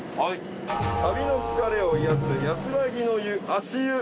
旅の疲れを癒すやすらぎの湯足湯。